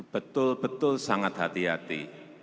betul betul sangat hati hati